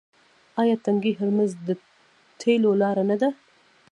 آیا تنګی هرمز د تیلو لاره نه ده؟